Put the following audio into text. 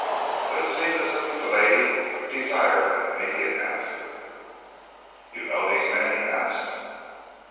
But it seemed as if the lady desired an immediate answer. "You know these men?" he asked.